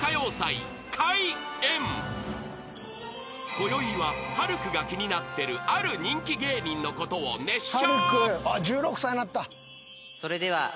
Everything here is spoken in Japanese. ［こよいは晴空が気になってるある人気芸人のことを熱唱］